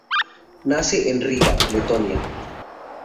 Nace en Riga, Letonia.